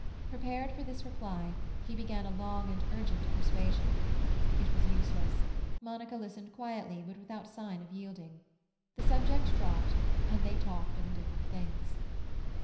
Prepared for this reply, he began a long and urgent persuasion. It was useless; Monica listened quietly, but without sign of yielding. The subject dropped, and they talked of indifferent things.